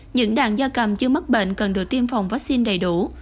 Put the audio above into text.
những đàn da cầm chưa mắc bệnh cần được tiêm phòng vaccine đầy đủ